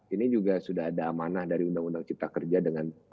ini juga sudah ada amanah dari undang undang cipta kerja dengan